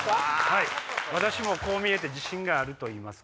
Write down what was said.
私もこう見えて自信があるといいますか。